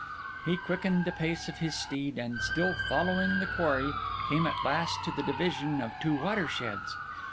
He quickened the pace of his steed, and still following the quarry, came at last to the division of two watersheds.